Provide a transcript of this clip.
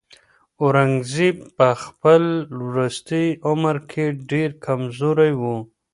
اورنګزېب په خپل وروستي عمر کې ډېر کمزوری و.